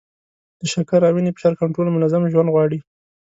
د شکر او وینې فشار کنټرول منظم ژوند غواړي.